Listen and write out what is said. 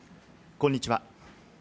こんにちは。